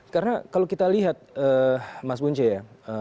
karena kalau kita lihat mas bunce ya